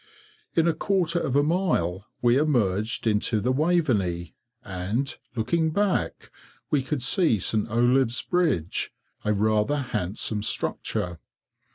In a quarter of a mile we emerged into the Waveney, and, looking back, we could see St. Olave's bridge, a rather handsome structure.